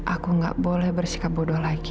aku nggak boleh bersikap bodoh lagi